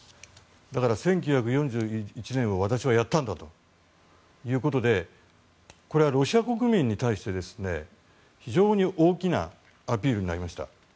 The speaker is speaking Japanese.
だから１９４１年に私はやったんだということでこれはロシア国民に対して非常に大きなアピールになりました。